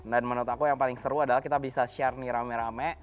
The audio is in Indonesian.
dan menurut aku yang paling seru adalah kita bisa share nih rame rame